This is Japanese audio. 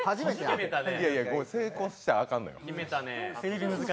成功したらあかんのよ。